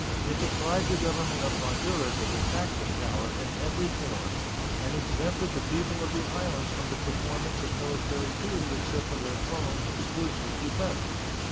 It deprived the Government of Honduras of the taxing power in every form and exempted the people of the islands from the performance of military duty except for their own exclusive defense.